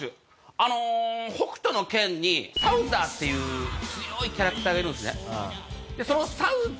あの『北斗の拳』にサウザーっていう強いキャラクターがいるんですね。